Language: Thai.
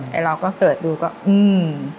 เราก็เสิร์ชดูก็อืม